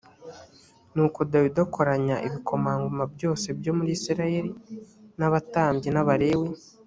nuko dawidi akoranya ibikomangoma byose byo muri isirayeli n’abatambyi n’abalewi